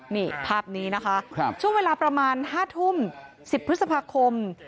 นี่ภาพนี้นะคะช่วงเวลาประมาณ๕ทุ่ม๑๐พฤษภาคม